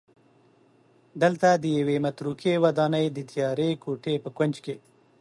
دلته د یوې متروکې ودانۍ د تیارې کوټې په کونج کې